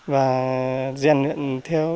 và gian luyện theo